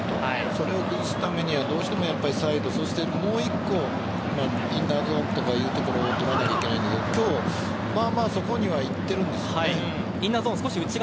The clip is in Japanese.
それを崩すためにはどうしてもサイドもう１個、インナーゾーンとかいうところまで取らなきゃいけないけどそこには行っているんですよね。